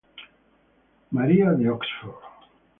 Mary de Oxford.